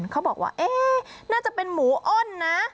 เขาบอกว่าน่าจะเป็นหมูอ้นนะ